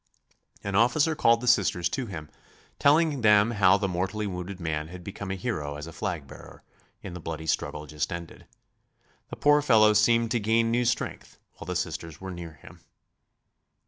An officer called the Sisters to him, telling them how the mortally wounded man had become a hero as a flag bearer in the bloody struggle just ended. The poor fellow seemed to gain new strength while the Sisters were near him.